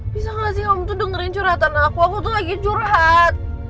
bisa gak sih om tuh dengerin curhatan aku aku tuh lagi curhat